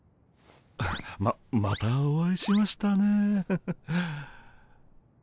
ままたお会いしましたね。